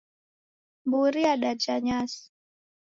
Mburi radaja nyasi